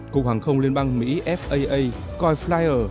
cục hoàng không liên bang mỹ faa coi flyer